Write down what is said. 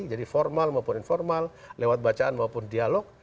jadi formal maupun informal lewat bacaan maupun dialog